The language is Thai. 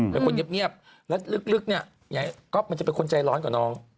เป็นคนเงียบและลึกเนี่ยก็มันจะเป็นคนใจร้อนกว่าน้อง